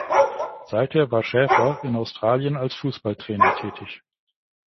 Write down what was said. Seither war Schaefer in Australien als Fußballtrainer tätig.